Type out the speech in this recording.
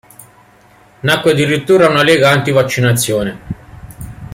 Nacque addirittura una lega anti-vaccinazione.